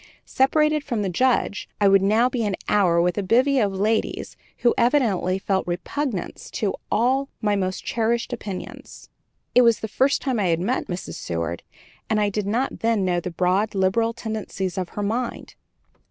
Separated from the Judge, I would now be an hour with a bevy of ladies who evidently felt repugnance to all my most cherished opinions. It was the first time I had met Mrs. Seward, and I did not then know the broad, liberal tendencies of her mind.